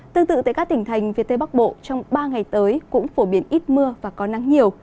tương tự tại các tỉnh thành phía tây bắc bộ trong ba ngày tới cũng phổ biến ít mưa và có nắng nhiều